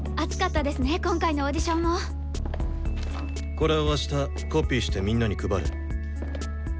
これをあしたコピーしてみんなに配れ。